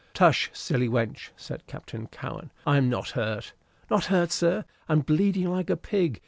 "Tush! Silly wench!" said Captain Cowen. "I am not hurt." "Not hurt, sir? And bleeding like a pig!